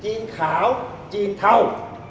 จีนขาวจีนเทา